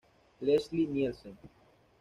Leslie Nielsen.